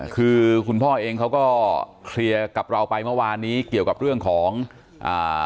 คือคุณพ่อเองเขาก็เคลียร์กับเราไปเมื่อวานนี้เกี่ยวกับเรื่องของอ่า